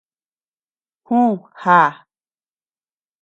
Jú, já.